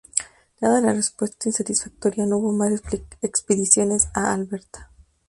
Dada la respuesta insatisfactoria, no hubo más expediciones a Alberta.